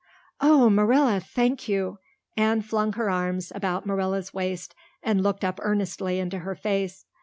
"Oh, Marilla, thank you." Anne flung her arms about Marilla's waist and looked up earnestly into her face.